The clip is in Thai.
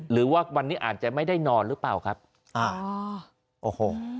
หรือว่าวันนี้อาจจะไม่ได้นอนไหมโอ้โห